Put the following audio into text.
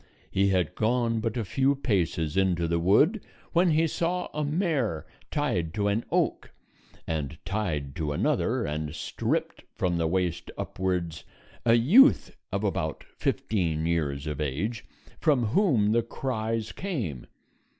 He had gone but a few paces into the wood when he saw a mare tied to an oak, and tied to another, and stripped from the waist upwards, a youth of about fifteen years of age, from whom the cries came.